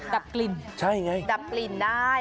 ดับกลิ่นใช่ไงดับกลิ่นได้